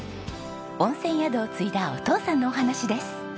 温泉宿を継いだお父さんのお話です。